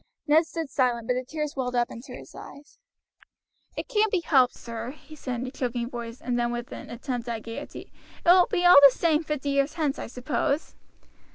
Ned stood silent, but the tears welled up into his eyes. "It can't be helped, sir," he said in a choking voice, and then with an attempt at gayety: "it will be all the same fifty years hence, I suppose."